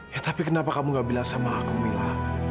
ya tapi kenapa kamu gak bilang sama aku mila